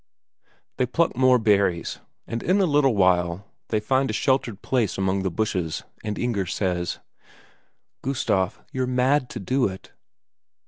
They pluck more berries, and in a little while they find a sheltered place among the bushes, and Inger says: "Gustaf, you're mad to do it."